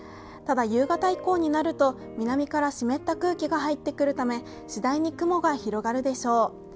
ただ、夕方以降になると南から湿った空気が入ってくるため、次第に雲が広がるでしょう。